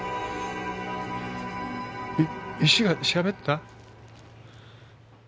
えっ石がしゃべった？